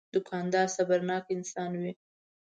دوکاندار صبرناک انسان وي.